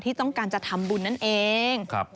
ที่ต้องการจะทำบุญนั่นเอง